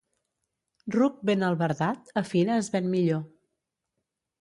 Ruc ben albardat, a fira es ven millor.